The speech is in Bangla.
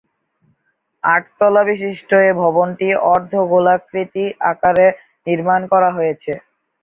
আট-তলাবিশিষ্ট এ ভবনটি অর্ধ-গোলাকৃতি আকারে নির্মাণ করা হয়েছে।